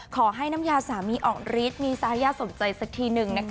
ขอให้น้ำยาสามีออกฤทธิ์มีซายาสมใจสักทีหนึ่งนะคะ